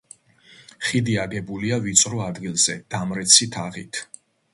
ხიდი აგებულია ვიწრო ადგილზე დამრეცი თაღით.